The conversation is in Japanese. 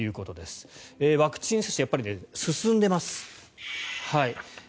ワクチン接種やっぱり進んでいます。